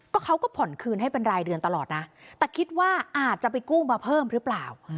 เขาก็ผ่อนคืนให้เป็นรายเดือนตลอดนะแต่คิดว่าอาจจะไปกู้มาเพิ่มหรือเปล่า